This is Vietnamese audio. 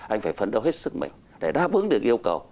anh phải phấn đấu hết sức mình để đáp ứng được yêu cầu